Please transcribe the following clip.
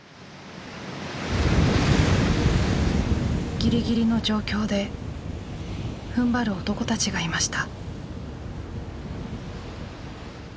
ぎりぎりの状況でふんばる男たちがいました。